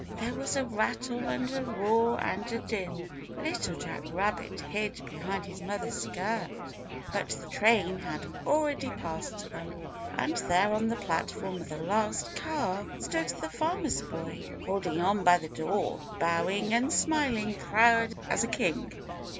There was a rattle and a roar and a din. Little Jack Rabbit hid behind his mother's skirt, but the train had already passed them. And there on the platform of the last car, stood the Farmer's Boy, holding on by the door, bowing and smiling and proud as a king.